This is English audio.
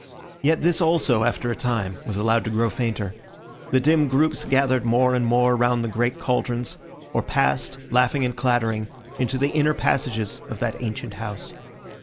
Yet this also, after a time, was allowed to grow fainter; the dim groups gathered more and more round the great cauldrons, or passed, laughing and clattering, into the inner passages of that ancient house.